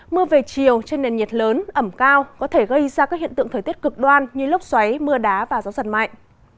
mưa về chiều trên nền nhiệt lớn ẩm cao có thể gây ra các hiện tượng thời tiết cực đoan như lốc xoáy mưa đá và gió giật mạnh